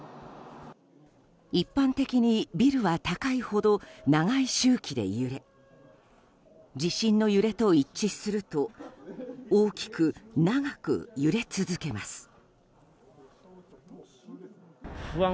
一般的にビルは高いほど長い周期で揺れ地震の揺れと一致すると大きく長く揺れ続けます。